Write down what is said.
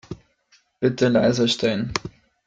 Bitte leiser stellen.